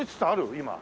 今。